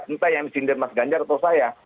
entah yang disindir mas ganjar atau saya